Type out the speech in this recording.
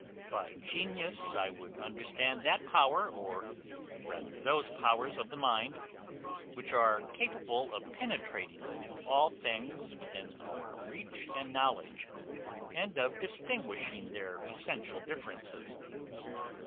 By genius I would understand that power or rather those powers of the mind, which are capable of penetrating into all things within our reach and knowledge, and of distinguishing their essential differences.